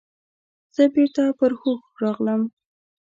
زه بیرته پر هوښ راغلم.